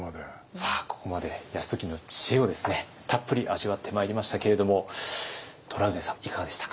さあここまで泰時の知恵をたっぷり味わってまいりましたけれどもトラウデンさんいかがでしたか？